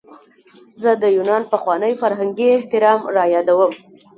زه د یونان پخوانی فرهنګي احترام رایادوم.